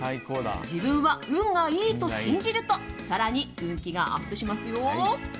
自分は運がいいと信じると更に運気がアップします。